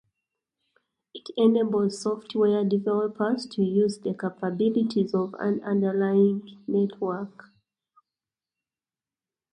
It enables software developers to use the capabilities of an underlying network.